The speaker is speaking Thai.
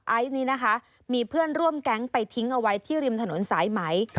ไอซ์นี้นะคะมีเพื่อนร่วมแก๊งไปทิ้งเอาไว้ที่ริมถนนสายไหม